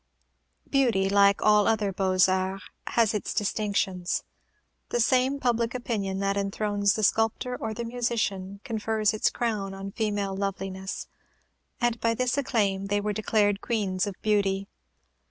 Beauty, like all other "Beaux Arts," has its distinctions. The same public opinion that enthrones the sculptor or the musician, confers its crown on female loveliness; and by this acclaim were they declared Queens of Beauty.